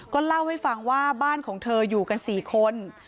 ก็เล่าให้ฟังว่าบ้านของเธออยู่กัน๔คน